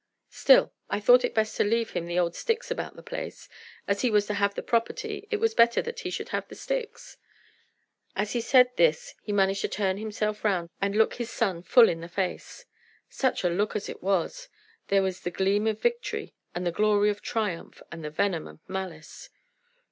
"Still, I thought it best to leave him the old sticks about the place. As he was to have the property, it was better that he should have the sticks." As he said this he managed to turn himself round and look his son full in the face. Such a look as it was! There was the gleam of victory, and the glory of triumph, and the venom of malice.